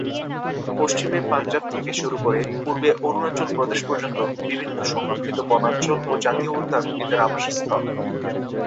পশ্চিমে পাঞ্জাব থেকে শুরু করে পূর্বে অরুণাচল প্রদেশ পর্যন্ত বিভিন্ন সংরক্ষিত বনাঞ্চল ও জাতীয় উদ্যান এদের আবাসস্থল।